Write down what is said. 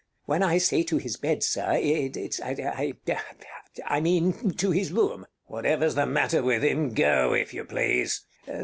_] When I say to his bed, sir, it's I mean to his room. Bartolo Whatever's the matter with him, go, if you please.